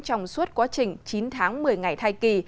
trong suốt quá trình chín tháng một mươi ngày thai kỳ